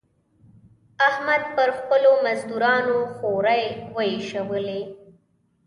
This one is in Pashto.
احمد پر خپلو مزدورانو خورۍ واېشولې.